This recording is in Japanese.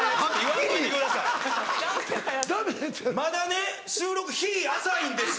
まだ収録日浅いんです。